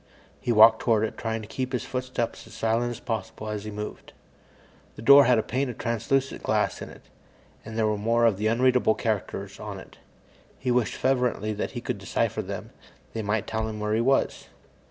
He walked toward it, trying to keep his footsteps as silent as possible as he moved. The door had a pane of translucent glass in it, and there were more of the unreadable characters on it. He wished fervently that he could decipher them; they might tell him where he was.